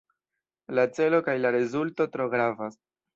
La celo kaj la rezulto tro gravas.